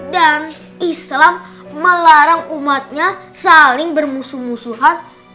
dan islam melarang umatnya saling bermusuh musuhan